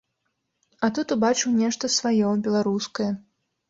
А тут убачыў нешта сваё, беларускае.